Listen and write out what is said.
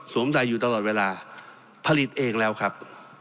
ใดอยู่ตลอดเวลาผลิตเองแล้วครับ